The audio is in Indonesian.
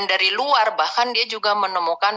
dari luar bahkan dia juga menemukan